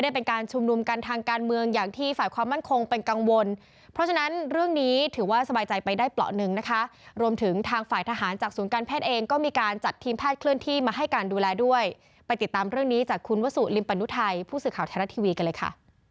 เพื่อที่มาให้การดูแลด้วยไปติดตามเรื่องนี้จากคุณวสุริมปรณุทัยพูดสุข่าวแถนทรัศน์ทีวีกันเลยค่ะ